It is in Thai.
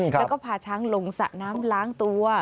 แล้วก็พาช้างลงสระน้ำล้างตัว